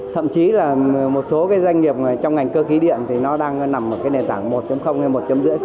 thậm chí là một số cái doanh nghiệp trong ngành cơ khí điện thì nó đang nằm ở cái nền tảng một hay một rưỡi